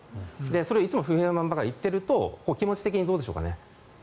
それをいつも不平不満ばかり言っていると気持ち的にどうでしょうかね。